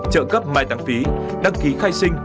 trợ cấp mai tăng phí đăng ký khai sinh